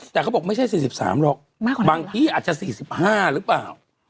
แต่เขาบอกไม่ใช่สี่สิบสามหรอกบางที่อาจจะสี่สิบห้าหรือเปล่า